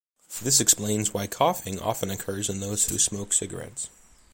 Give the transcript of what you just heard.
This explains why coughing often occurs in those who smoke cigarettes.